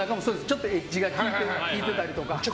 ちょっとエッジが効いてたり。